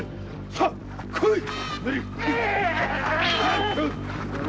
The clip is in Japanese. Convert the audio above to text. さあ来いっ！